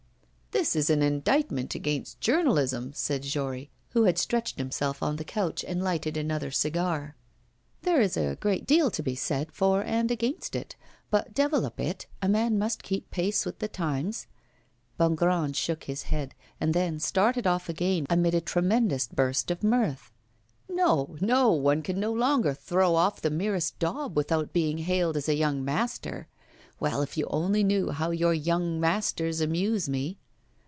'This is an indictment against journalism,' said Jory, who had stretched himself on the couch and lighted another cigar. 'There is a great deal to be said for and against it, but devil a bit, a man must keep pace with the times.' Bongrand shook his head, and then started off again, amid a tremendous burst of mirth: 'No! no! one can no longer throw off the merest daub without being hailed as a young "master." Well, if you only knew how your young masters amuse me!